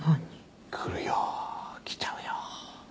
来るよ来ちゃうよ。